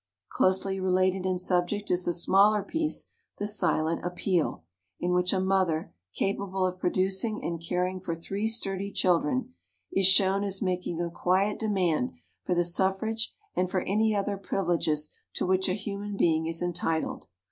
Closely related in subject is the smaller piece, "The Silent Appeal," in which a mother capable of producing and caring for three sturdy children is shown as making a quiet demand for the suffrage and for any other privileges to which a human being is entitled.